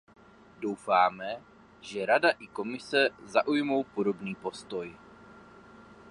Doufáme, že Rada i Komise zaujmou podobný postoj.